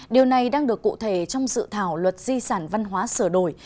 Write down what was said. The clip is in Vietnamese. điều này đang được cụ thể trong dự thảo luật di sản văn hóa sửa đổi